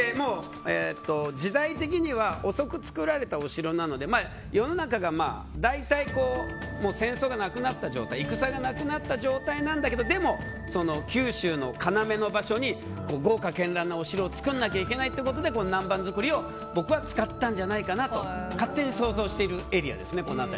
時代的には遅く造られたお城なので世の中が大体戦争がなくなった状態戦がなくなった状態なんだけどでも、九州のかなめの場所に豪華絢爛なお城を造らなきゃいけないということで南蛮造りを使ったんじゃないかと勝手に想像しているエリアです。